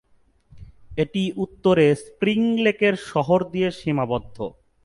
এটি উত্তরে স্প্রিং লেকের শহর দিয়ে সীমাবদ্ধ।